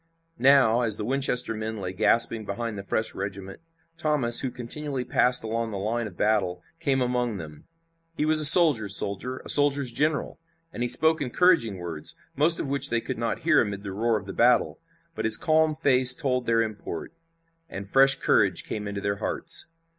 Now, as the Winchester men lay gasping behind the fresh regiment, Thomas, who continually passed along the line of battle, came among them. He was a soldier's soldier, a soldier's general, and he spoke encouraging words, most of which they could not hear amid the roar of the battle, but his calm face told their import, and fresh courage came into their hearts.